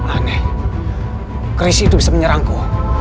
aneh krisis itu bisa menyerangku